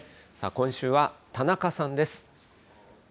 今週は田中さんです。